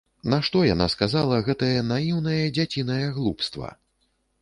Нашто яна сказала гэтае наіўнае дзяцінае глупства?